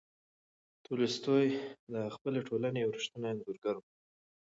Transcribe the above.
تولستوی د خپلې ټولنې یو ریښتینی انځورګر و.